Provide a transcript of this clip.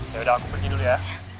yaudah aku pergi dulu ya